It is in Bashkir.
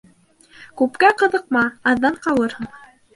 Күпкә ҡыҙыҡма, аҙҙан ҡалырһың.